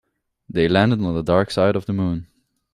They landed on the dark side of the moon.